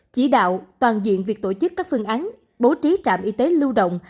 chỉ đạo toàn diện việc tổ chức các phương án bố trí trạm y tế lưu động